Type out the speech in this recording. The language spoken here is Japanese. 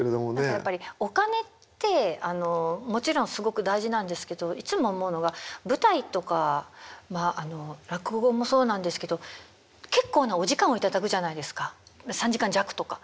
やっぱりお金ってもちろんすごく大事なんですけどいつも思うのが舞台とか落語もそうなんですけど結構なお時間を頂くじゃないですか３時間弱とか。